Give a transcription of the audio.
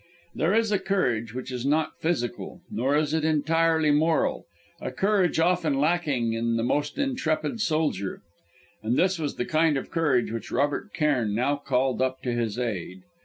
There is a courage which is not physical, nor is it entirely moral; a courage often lacking in the most intrepid soldier. And this was the kind of courage which Robert Cairn now called up to his aid.